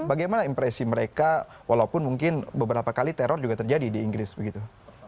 bagaimana impresi mereka walaupun mungkin beberapa kali teror juga terjadi di inggris begitu